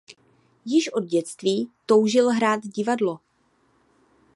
Již od dětství toužil hrát divadlo.